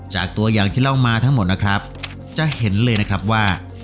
ตัวอย่างที่เล่ามาทั้งหมดนะครับจะเห็นเลยนะครับว่า